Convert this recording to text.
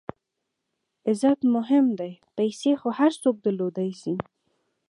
عزت مهم دئ، پېسې خو هر څوک درلودلای سي.